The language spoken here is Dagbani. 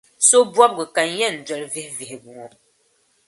So’ bɔbigu ka n yɛn dɔli vihi vihigu ŋɔ.